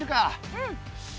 うん！